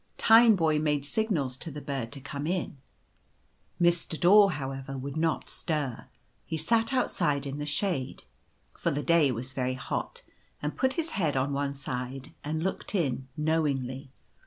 Tineboy made signals to the bird to come in. Mr. Daw, however, would not stir; he sat outside in the shade, for the day was very hot, and put his head on one side and looked in knowingly.